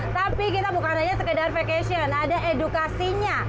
tapi kita bukan hanya sekedar vacation ada edukasinya